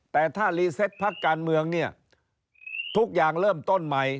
แต่ถ้ารีเซตพักการเมืองเนี่ยทุกอย่างเริ่มต้นใหม่